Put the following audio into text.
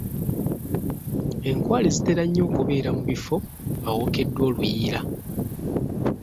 Enkwale zitera nnyo okubeera mu bifo awookeddwa oluyiira.